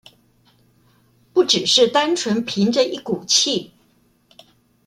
不只是單純憑著一股氣